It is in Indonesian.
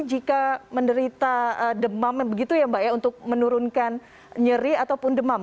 jika menderita demam begitu ya mbak ya untuk menurunkan nyeri ataupun demam